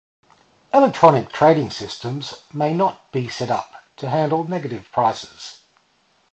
Electronic trading systems may not be set up to handle negative prices.